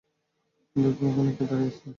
দেখো ওখানে কে দাঁড়িয়ে আছে।